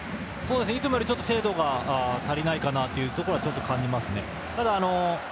いつもより精度が足りないということをちょっと感じますね。